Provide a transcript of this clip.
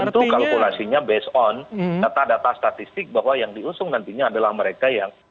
tentu kalkulasinya based on data data statistik bahwa yang diusung nantinya adalah mereka yang